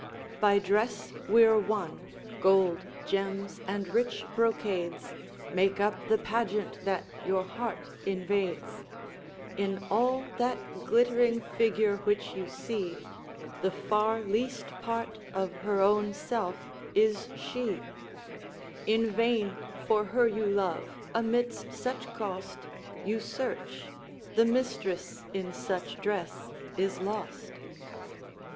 "By dress we're won; gold, gems, and rich brocades Make up the pageant that your heart invades; In all that glittering figure which you see, The far least part of her own self is she; In vain for her you love amidst such cost You search, the mistress in such dress is lost."